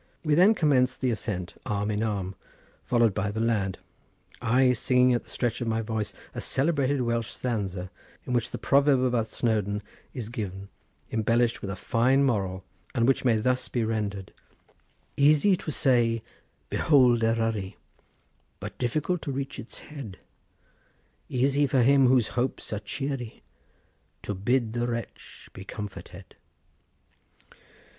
We then commenced the ascent, arm in arm, followed by the lad, I singing at the stretch of my voice a celebrated Welsh stanza, in which the proverb about Snowdon is given, embellished with a fine moral, and which may thus be rendered:— "Easy to say, 'Behold Eryri,' But difficult to reach its head; Easy for him whose hopes are cheery To bid the wretch be comforted."